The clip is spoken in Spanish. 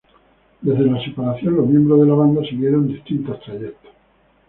Desde la separación, los miembros de la banda siguieron distintos trayectos.